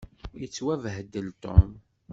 Yettwabehdel Tom.